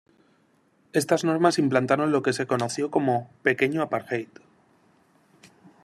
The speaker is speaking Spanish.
Estas normas implantaron lo que se conoció como "pequeño apartheid".